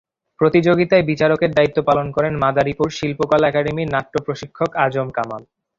প্রতিযোগিতায় বিচারকের দায়িত্ব পালন করেন মাদারীপুর শিল্পকলা একাডেমীর নাট্য প্রশিক্ষক আজম কামাল।